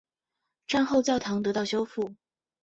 战后教堂得到修复。